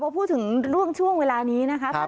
พอพูดถึงเรื่องช่วงเวลานี้นะคะ